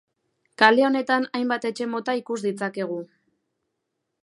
Kale honetan hainbat etxe mota ikus ditzakegu.